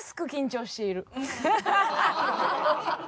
ハハハハ！